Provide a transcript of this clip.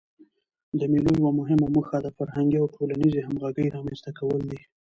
د مېلو یوه مهمه موخه د فرهنګي او ټولنیزي همږغۍ رامنځ ته کول دي.